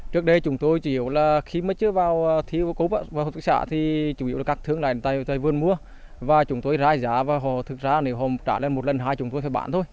trước đây chúng tôi chỉ hiểu là khi mới trước vào thi ô cốp và hợp tác xã thì chủ yếu là các thương lại tại vườn mua và chúng tôi ra giá và họ thực ra nếu họ trả lên một lần hai chúng tôi phải bán thôi